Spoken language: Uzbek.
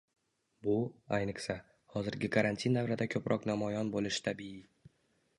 Bu, ayniqsa, hozirgi karantin davrida ko’proq namoyon bo’lishi tabiiy